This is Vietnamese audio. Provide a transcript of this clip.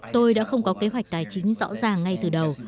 tôi đã không có kế hoạch tài chính rõ ràng ngay từ đầu